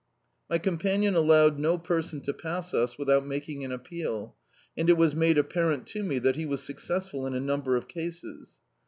My companion allowed no person to pass us with out making an appeal, and it was made apparent to me that he was successful in a number of cases.